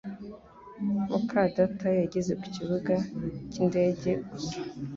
muka data yageze ku kibuga cyindege gusa